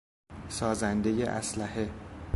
سازندهی اسلحه